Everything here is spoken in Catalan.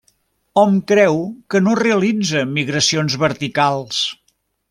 Hom creu que no realitza migracions verticals.